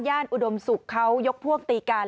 ย่านอุดมสุขเขายกพ่วงตีกัน